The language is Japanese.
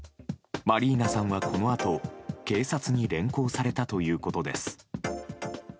マリーナさんは、このあと警察に連行されたということです。